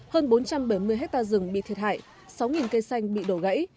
hơn bốn trăm bảy mươi hectare rừng bị thiệt hại sáu cây xanh bị đổ gãy